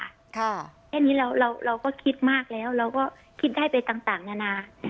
ค่ะแค่นี้เราเราเราก็คิดมากแล้วเราก็คิดได้ไปต่างต่างนานา